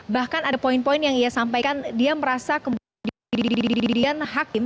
bahkan ada poin poin yang ia sampaikan dia merasa kemudian hakim